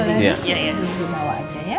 terus lu bawa aja ya